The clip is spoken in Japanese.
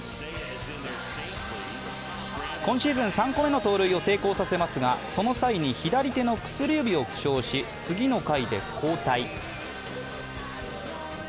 今シーズン３個目の盗塁を成功させますが、その際に、左手の薬指を負傷し次の回で交代。